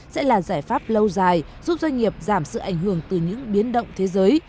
sẽ là giải pháp lâu dài giúp doanh nghiệp giảm sự ảnh hưởng từ những biến động thế giới